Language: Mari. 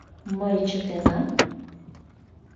Мый чытенам?